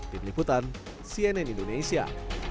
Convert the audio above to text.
tim liputan cnn indonesia